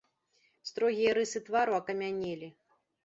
Строгія рысы твару акамянелі.